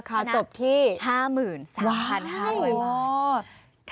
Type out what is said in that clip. ค่าจบที่๕๓๕๐๐บาท